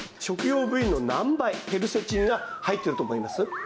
食用部位の何倍ケルセチンが入っていると思います？